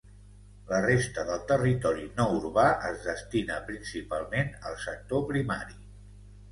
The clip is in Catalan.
La resta del territori no urbà es destina principalment al sector primari.